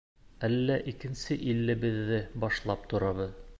Әле икенсе иллебеҙҙе башлап торабыҙ...